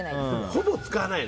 ほぼ使わないよ。